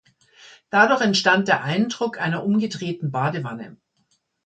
Dadurch entstand der Eindruck einer umgedrehten Badewanne.